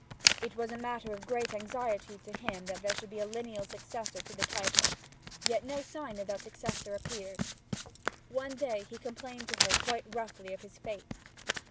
It was a matter of great anxiety to him that there should be a lineal successor to the title, yet no sign of that successor appeared. One day he complained to her quite roughly of his fate.